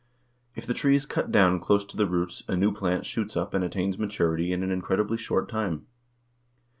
If the tree is cut down close to the roots a new plant shoots up and attains maturity in an incredibly short time.